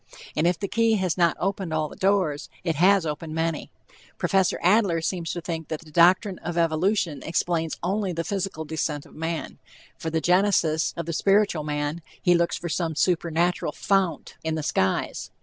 And if the key has not opened all the doors, it has opened many. Prof. Adler seems to think that the doctrine of evolution explains only the physical descent of man; for the genesis of the spiritual man, he looks for some supernatural "fount" in the skies.